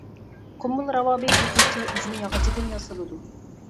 قۇمۇل راۋابى كۆپىنچە ئۈجمە ياغىچىدىن ياسىلىدۇ.